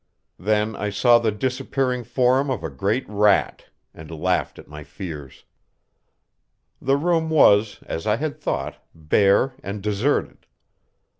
Then I saw the disappearing form of a great rat, and laughed at my fears. The room was, as I had thought, bare and deserted.